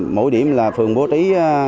mỗi điểm là phường bố trí